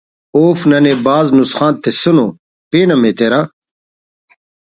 اوفک ننے بھاز نسخان تسنو پین ہم ایترہ